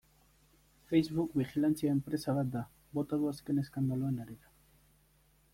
Facebook bijilantzia enpresa bat da, bota du azken eskandaluen harira.